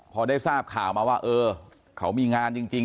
พอได้ทราบข่าวมาว่าเออเขามีงานจริง